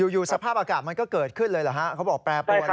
อยู่สภาพอากาศมันก็เกิดขึ้นเลยหรอฮะเขาบอกแปลประวัติเลยหรอฮะ